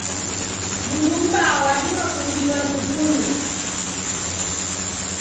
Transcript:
Mndu m'baa wadima kungilwa ni vunyu.